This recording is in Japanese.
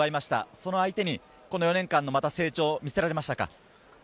その相手にこの４年間で成長を見せられましたか？